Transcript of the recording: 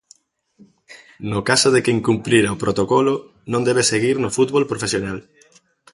No caso de que incumprira o protocolo, non debe seguir no fútbol profesional.